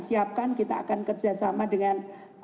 siapkan kita akan kerjasama dengan